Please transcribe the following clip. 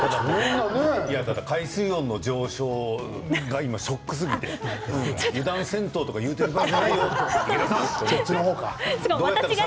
海水温の上昇が今ショックすぎて油断せんとうとか言ってる場合じゃないよ。